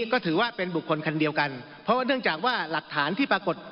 ก็ถือว่าเป็นบุคคลคันเดียวกันเพราะว่าเนื่องจากว่าหลักฐานที่ปรากฏ